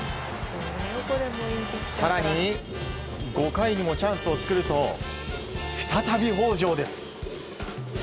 更に、５回にもチャンスを作ると再び北條です。